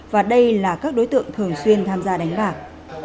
và đây là các đối tượng thường xuyên tham gia đánh bạc